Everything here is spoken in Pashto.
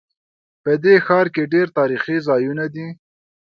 په دې ښار کې ډېر تاریخي ځایونه دي